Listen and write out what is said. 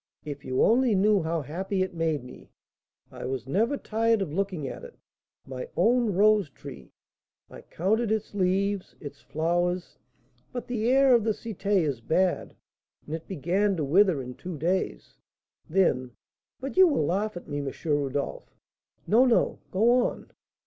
If you only knew how happy it made me, I was never tired of looking at it, my own rose tree! I counted its leaves, its flowers; but the air of the Cité is bad, and it began to wither in two days. Then but you'll laugh at me, M. Rodolph." "No, no; go on."